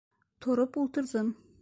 Тороп ултырҙым.